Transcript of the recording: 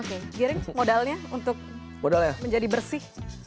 oke giring modalnya untuk menjadi bersih